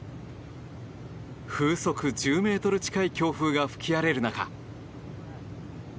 風速１０メートル近い強風が吹き荒れる中。